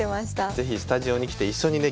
是非スタジオに来て一緒にね